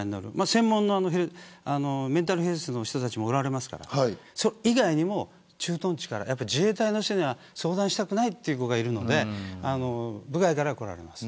専門のメンタルヘルスの人たちもおられますからそれ以外にも駐屯地から自衛隊の人には相談したくないという人がいるので部外から来られます。